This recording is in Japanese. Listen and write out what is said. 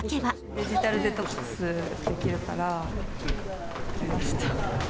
デジタルデトックスできるから来ました。